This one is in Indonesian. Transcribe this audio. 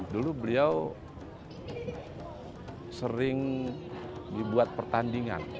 dulu beliau sering dibuat pertandingan